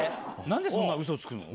何でそんなウソつくの？